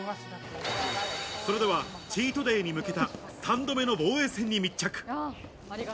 それではチードデイに向けた３度目の防衛戦に密着。